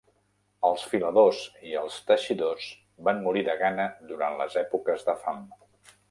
Els filadors i els teixidors van morir de gana durant les èpoques de fam.